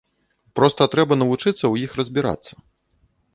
Проста трэба навучыцца ў іх разбірацца.